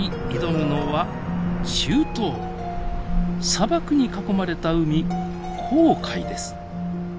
砂漠に囲まれた海紅海です。